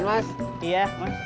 ini ya duitnya